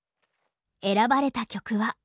選ばれた曲は。